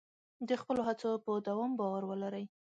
د خپلو هڅو په دوام باور ولرئ.